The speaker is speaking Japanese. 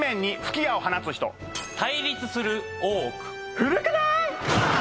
古くない？